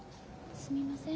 すみません。